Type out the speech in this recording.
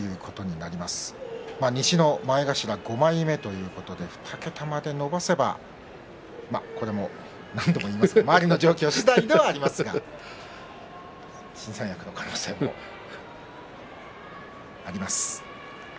西の前頭５枚目ということで２桁まで伸ばせばこれも周りの状況次第ではありますが新三役の可能性も出てきます。